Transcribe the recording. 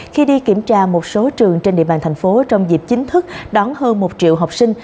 khi đi kiểm tra một số trường trên địa bàn thành phố trong dịp chính thức đón hơn một triệu học sinh